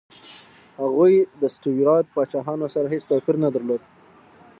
هغوی د سټیوراټ پاچاهانو سره هېڅ توپیر نه درلود.